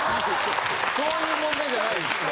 そういう問題じゃないです。